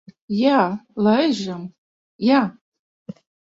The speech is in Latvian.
Jā, laižam. Jā.